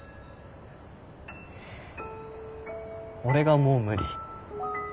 俺がもう無理。